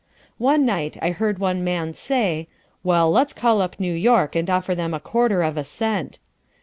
One night I heard one man say, "Well, let's call up New York and offer them a quarter of a cent."